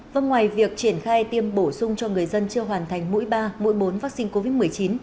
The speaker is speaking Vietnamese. vâng ngoài việc triển khai tiêm bổ sung cho người dân chưa hoàn thành mũi ba mũi bốn vaccine covid một mươi chín